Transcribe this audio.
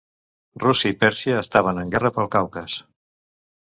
Rússia i Pèrsia estaven en guerra pel Caucas.